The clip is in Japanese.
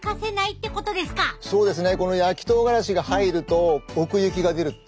そうですね。